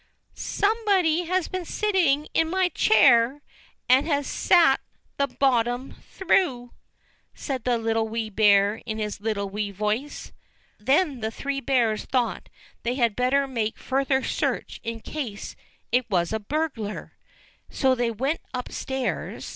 "somebody has been SITTING IN MY CHAIR, AND HAS SATE THE BOTTOM THROUGH!" said the Little Wee Bear in his little wee voice. Then the Three Bears thought they had better make further search in case it was a burglar, so they went upstairs " Somebody has been at my porridge, and has eaten it all up !